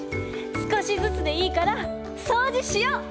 すこしずつでいいからそうじしよ！